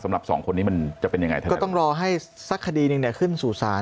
สำหรับสองคนนี้มันจะเป็นยังไงท่านก็ต้องรอให้สักคดีหนึ่งเนี่ยขึ้นสู่ศาล